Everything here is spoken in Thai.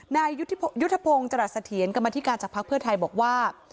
นายยุทธพงศ์จรัสเถียนกรรมนิการจากภาคเพื่อไทยบอกว่า